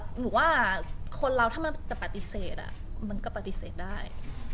หนูว่าคนเราถ้ามันจะปฏิเสธมันก็ปฏิเสธได้